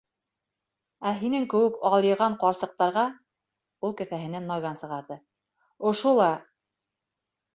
Ә һинең кеүек алйыған ҡарсыҡтарға, - ул кеҫәһенән наган сығарҙы, - ошо ла...